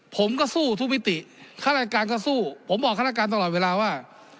ผมก็สู้ทุกมิติข้าราชการก็สู้ผมบอกฆาตการตลอดเวลาว่า